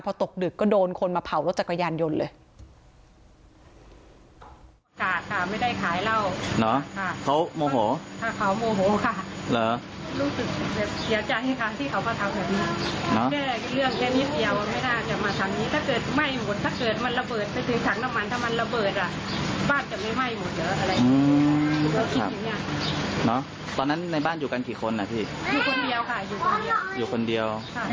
พอตกดึกก็โดนคนมาเผารถจักรยานยนต์เลย